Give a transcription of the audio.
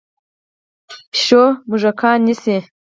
پیشو موږکان نیسي.